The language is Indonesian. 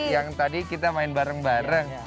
yang tadi kita main bareng bareng